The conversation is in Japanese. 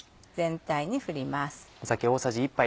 全体に振ります。